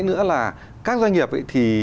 nữa là các doanh nghiệp thì